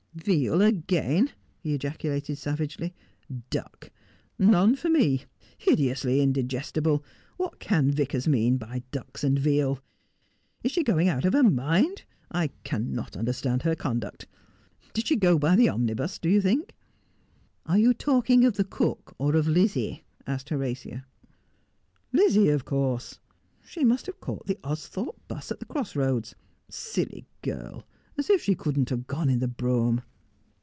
' Veal again,' he ejaculated savagely. ' Duck. None for me. Hideously indigestible. What can Vicars mean by ducks and veal '\ Is she going out of her mind 1 I cannot understand her conduct. Did she go by the omnibus, do you think ']'' What is the Key to the Enigma ?' 305 * Are you talking of the cook or of Lizzie ?' asked Horatia. 'Lizzie, of course. She mast have caught the Austhorpe 'bus at the cross roads. Silly girl ! as if she could not have gone in the brougham.'